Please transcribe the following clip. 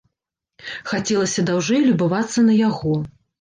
Хацелася даўжэй любавацца на яго.